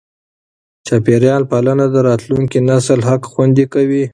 چاپېریال پالنه د راتلونکي نسل حق خوندي کوي.